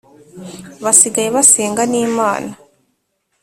basigaye basenga n'imana